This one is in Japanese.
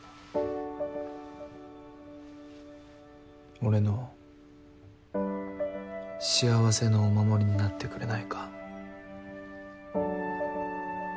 俺の幸せのお守りになってくれないか。